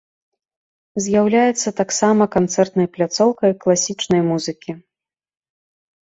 З'яўляецца таксама канцэртнай пляцоўкай класічнай музыкі.